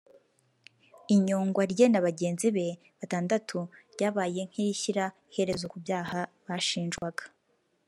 Inyongwa rye na bagenzi be batandatu ryabaye nk’irishyira iherezo ku byaha bashinjwaga